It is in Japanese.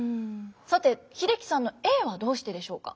さて英樹さんのＡはどうしてでしょうか？